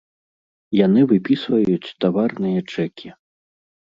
Яны выпісваюць таварныя чэкі!